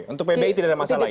untuk pbi tidak ada masalah ya